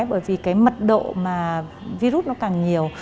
bởi vì cái mật độ mà virus nó càng nhiều